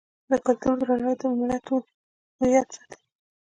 د کلتور درناوی د ملت هویت ساتي.